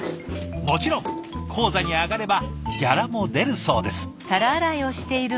もちろん高座に上がればギャラも出るそうです。